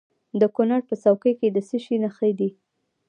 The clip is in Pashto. د کونړ په څوکۍ کې د څه شي نښې دي؟